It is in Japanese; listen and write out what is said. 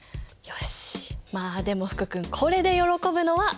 よしまあでも福くんこれで喜ぶのはまだ早い。